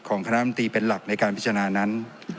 คณะมนตรีเป็นหลักในการพิจารณานั้น